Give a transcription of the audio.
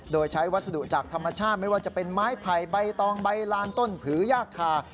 โดยใช้วัสดุจากธรรมชาติไม่ว่าจะเป็นไม้ไผ่ใบตองใบลานต้นผือยากคา